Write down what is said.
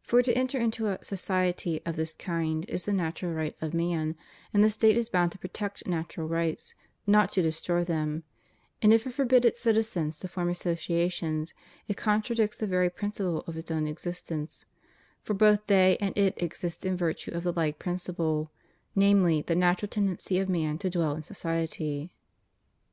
For to enter into a "society" of this kind is the natural right of man; and the State is bound to protect natural rights, not to destroy them; and if it forbid its citizens to form associations, it con tradicts the very principle of its own existence; for both they and it exist in virtue of the like principle, namely, the natural tendency of man to dwell in society.